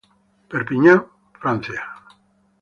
Perpignan, Francia.